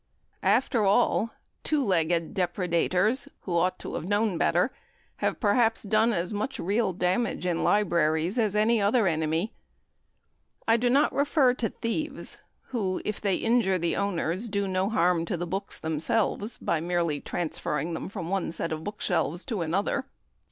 AFTER all, two legged depredators, who ought to have known better, have perhaps done as much real damage in libraries as any other enemy. I do not refer to thieves, who, if they injure the owners, do no harm to the books themselves by merely transferring them from one set of bookshelves to another.